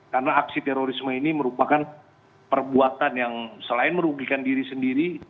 karena aksi terorisme ini merupakan perbuatan yang selain merugikan diri sendiri